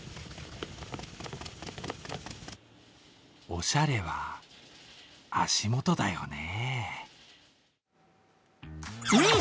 おしゃれは、足元だよね。